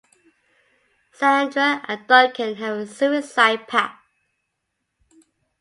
Sandra and Duncan have a suicide pact.